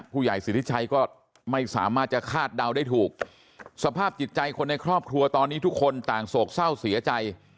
สิทธิชัยก็ไม่สามารถจะคาดเดาได้ถูกสภาพจิตใจคนในครอบครัวตอนนี้ทุกคนต่างโศกเศร้าเสียใจ